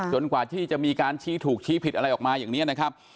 กว่าที่จะมีการชี้ถูกชี้ผิดอะไรออกมาอย่างนี้นะครับ